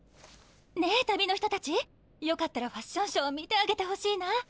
ねえ旅の人たちよかったらファッションショー見てあげてほしいな。